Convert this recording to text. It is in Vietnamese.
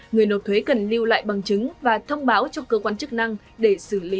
người nộp thuế cần lưu lại bằng chứng và thông báo cho cơ quan chức năng để xử lý